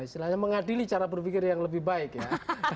istilahnya mengadili cara berpikir yang lebih baik ya